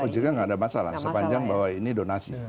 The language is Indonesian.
ojk tidak ada masalah sepanjang bahwa ini donasi